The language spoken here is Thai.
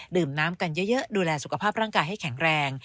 ดื่มน้ำกันเยอะดูแลสุขภาพร่างกายให้แข็งแรง